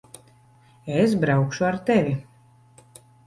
Es braukšu ar tevi.